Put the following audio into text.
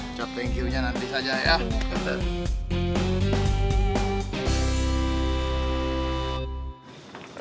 ucap thank you nya nanti saja ya sebentar